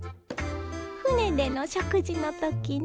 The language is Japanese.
船での食事の時ね。